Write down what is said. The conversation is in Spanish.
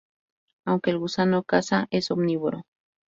Aunque el gusano caza, es omnívoro.